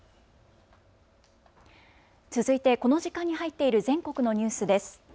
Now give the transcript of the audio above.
続いてこの時間に入っている全国のニュースです。